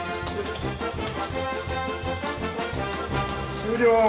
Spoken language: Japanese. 終了。